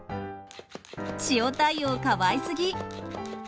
塩対応、かわいすぎ。